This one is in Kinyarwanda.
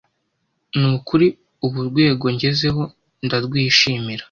Ni ukuri ubu urwego ngezeho ndarwishimira